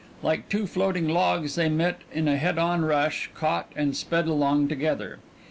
Like two floating logs they met in a head on rush, caught, and sped along together.